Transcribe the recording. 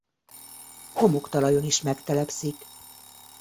Homoktalajon is megtelepszik.